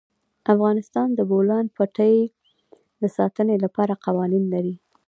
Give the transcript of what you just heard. افغانستان د د بولان پټي د ساتنې لپاره قوانین لري.